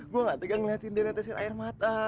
gue gak tega ngeliatin dia nanti si raih mata